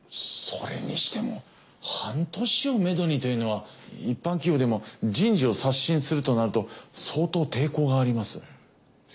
それにしても半年をめどにというのは一般企業でも人事を刷新するとなると相当抵抗があります。